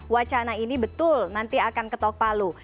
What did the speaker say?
wacana ini betul nanti akan ketok palu